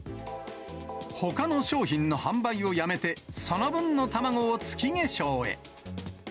ほかの商品の販売をやめて、その分の卵を月化粧へ。